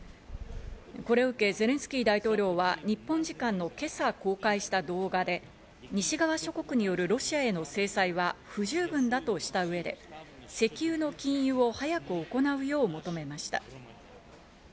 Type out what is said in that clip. これを受けゼレンスキー大統領は、日本時間の今朝公開した動画で、西側諸国によるロシアへの制裁は不十分だとした上で石油の禁輸を早く行うよう求めました。